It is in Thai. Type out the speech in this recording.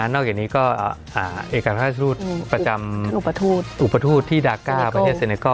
นอกจากนี้ก็อุปถูตที่ดาลก้าประเทศเซเนคโก้